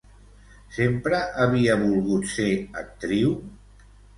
Sempre havia volgut ser actriu?